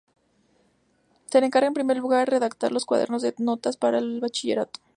Se le encarga en primer lugar redactar los cuadernos de notas para el bachillerato.